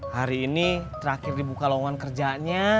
hari ini terakhir dibuka lowongan kerjanya